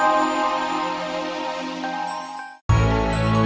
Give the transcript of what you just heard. disini bisa jauh